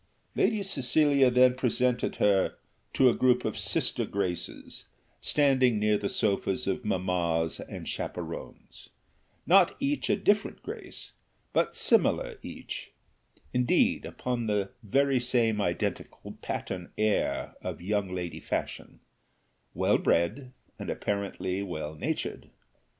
Lady Cecilia then presented her to a group of sister graces standing near the sofas of mammas and chaperons not each a different grace, but similar each, indeed upon the very same identical pattern air of young lady fashion well bred, and apparently well natured.